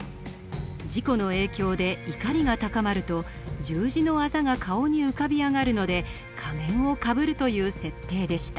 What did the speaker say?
事故の影響で怒りが高まると十字のあざが顔に浮かび上がるので仮面をかぶるという設定でした。